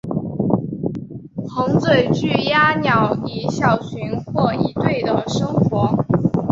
红嘴巨嘴鸟以小群或一对的生活。